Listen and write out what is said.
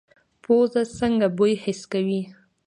پوزه څنګه بوی حس کوي؟